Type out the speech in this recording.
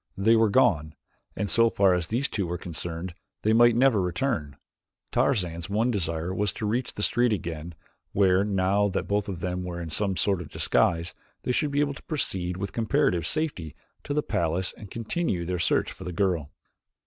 They were gone, and so far as these two were concerned they might never return. Tarzan's one desire was to reach the street again, where, now that both of them were in some sort of disguise, they should be able to proceed with comparative safety to the palace and continue their search for the girl.